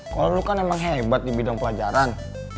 kalo lo kan emang hebat di bidang pelajaran